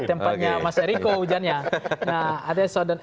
tempatnya mas errico hujannya